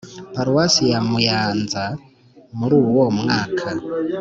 paruwasi ya muyanza muri uwo mwaka.